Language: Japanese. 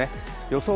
予想